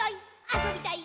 あそびたい！